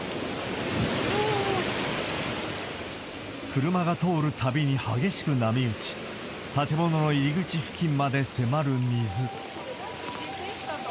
車が通るたびに激しく波打ち、建物の入り口付近まで迫る水。